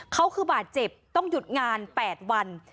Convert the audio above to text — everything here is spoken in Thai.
เขาคือบาดเจ็บต้องหยุดงาน๘วัน